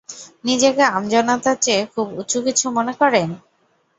নিজেকে আমজনতার চেয়ে খুব উঁচু কিছু মনে করেন?